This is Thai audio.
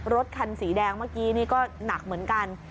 รถคันสีแดงเมื่อกี้นี่ก็หนักเหมือนกัน